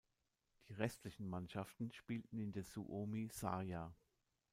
Die restlichen Mannschaften spielten in der Suomi-sarja.